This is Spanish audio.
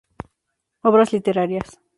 Obras literarias